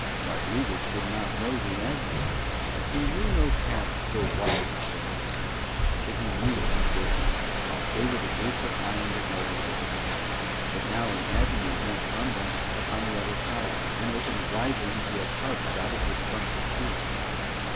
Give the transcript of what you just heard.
Rodriguez did not know the avenue, he knew no paths so wide in Shadow Valley; but he knew those gates. They were the gates of iron that led nowhere. But now an avenue went from them upon the other side, and opened widely into a park dotted with clumps of trees.